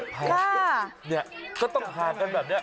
เนี่ยก็ต้องห่างกันแบบนี้